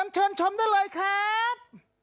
เชิญชมได้เลยครับ